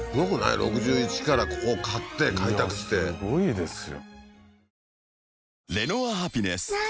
６１からここを買って開拓してすごいですよ